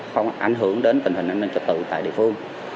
không ảnh hưởng đến tình hình an ninh trật tự tại địa phương